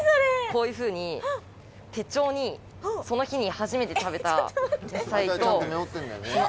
こういう風に手帳にその日に初めて食べた野菜とその味とかを。